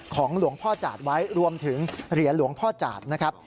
ของหลวงพ่อจาดไว้รวมถึงเหรียญหลวงพ่อจาดนะครับ